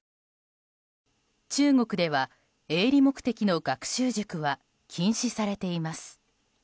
中国では、営利目的の学習塾は禁止されています。